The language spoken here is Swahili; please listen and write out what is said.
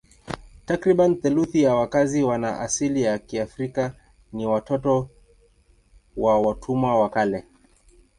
Takriban theluthi ya wakazi wana asili ya Kiafrika ni watoto wa watumwa wa kale.